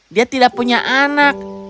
dia tidak punya anak